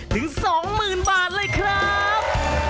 ถึง๒๐๐๐บาทเลยครับ